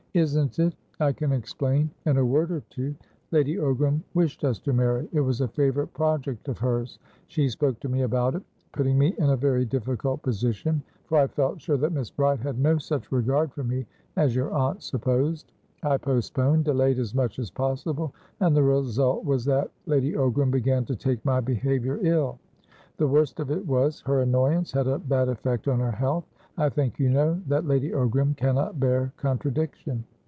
"Isn't it! I can explain in a word or two. Lady Ogram wished us to marry; it was a favourite project of hers. She spoke to me about itputting me in a very difficult position, for I felt sure that Miss Bride had no such regard for me as your aunt supposed. I postponed, delayed as much as possible, and the result was that Lady Ogram began to take my behaviour ill. The worst of it was, her annoyance had a bad effect on her health. I think you know that Lady Ogram cannot bear contradiction."